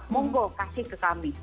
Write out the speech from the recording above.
monggo kasih ke kami